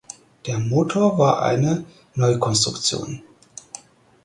Der Motor war eine Neukonstruktion.